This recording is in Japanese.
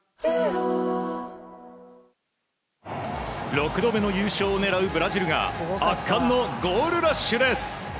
６度目の優勝を狙うブラジルが圧巻のゴールラッシュです。